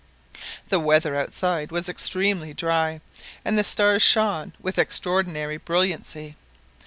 The weather outside was extremely dry, and the stars shone with extraordinary brilliancy.